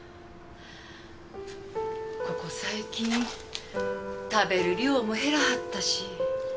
ここ最近食べる量も減らはったし。